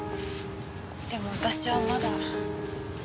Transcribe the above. でも私はまだ。